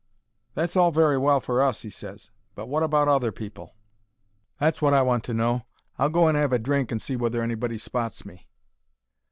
"That's all very well for us," he ses; "but wot about other people? That's wot I want to know. I'll go and 'ave a drink, and see whether anybody spots me."